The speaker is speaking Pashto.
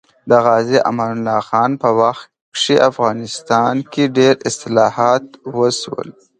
د غازي امان الله خان په وخت کې افغانستان کې ډېر اصلاحات وشول